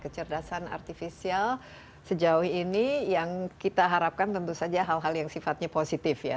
kecerdasan artifisial sejauh ini yang kita harapkan tentu saja hal hal yang sifatnya positif ya